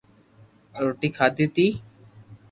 روٽي کاڌي تي